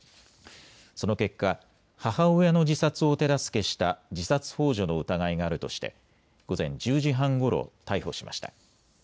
その結果、母親の自殺を手助けした自殺ほう助の疑いがあるとして午前１０時半ごろ逮捕しました。